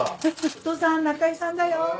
お父さんナカイさんだよ。